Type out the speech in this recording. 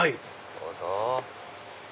どうぞ。